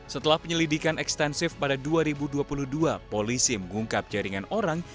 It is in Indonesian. setelah penyelidikan ekstensif pada dua ribu dua puluh dua polisi mengungkap jaringan orang